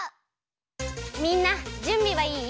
みんなじゅんびはいい？